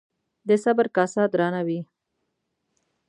د صبر کاسه درانه وي